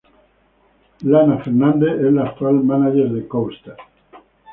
Lane Fernandes es la actual manager de Coaster.